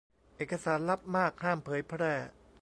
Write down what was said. เอกสารลับมาก ห้ามเผยแพร่